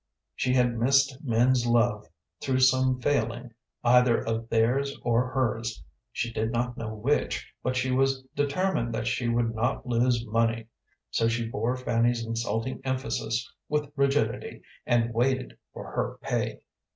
She had missed men's love through some failing either of theirs or hers. She did not know which, but she was determined that she would not lose money. So she bore Fanny's insulting emphasis with rigidity, and waited for her pay.